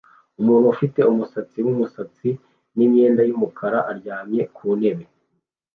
Umuntu ufite umusatsi wumusatsi n imyenda yumukara aryamye kuntebe